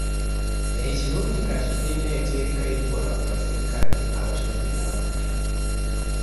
Ekirungi kati tulina etteeka erikola ku basirikale abatulugunya abantu.